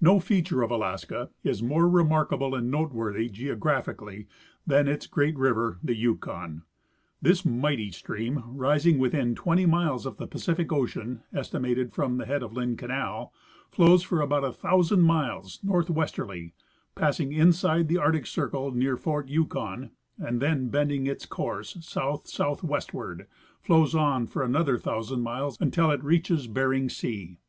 No feature of Alaska is more remarkable and noteworthy, geo graphically, than its great river, the Yukon. This mighty stream, rising within twenty miles of the Pacific ocean (estimated from the head of Lynn canal), flows for about 1,000 miles northwest erly, passing inside the arctic circle, near fort Yukon, and then, bending its course south southwestward, flows on for another 1,000 miles until it reaches Bering sea.